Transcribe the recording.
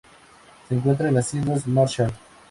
Se encuentran en las islas Marshall.